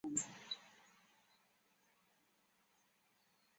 他曾获政府委任为市区重建局非执行董事及消费者委员会增选委员。